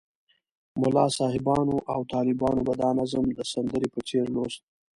ملا صاحبانو او طالبانو به دا نظم د سندرې په څېر لوست.